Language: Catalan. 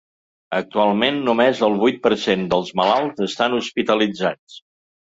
Actualment només el vuit per cent dels malalts estan hospitalitzats.